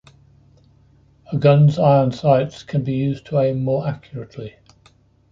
A gun's iron sights can be used to aim more accurately.